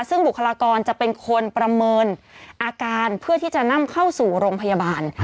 ซึ่งบุคลากรจะเป็นคนประเมินอาการเพื่อที่จะนำเข้าสู่โรงพยาบาล